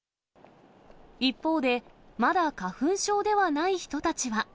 一方で、まだ花粉症ではない人たちは。